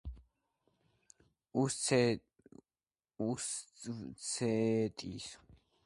ესცეტის დღეისათვის გავრცელებულ გრაფიკულ ნაირსახეობებს სხვადასხვა წარმომავლობა აქვთ.